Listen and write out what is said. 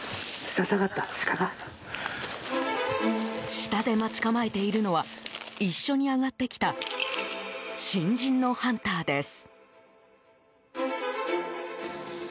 下で待ち構えているのは一緒に上がってきた新人のハンターです。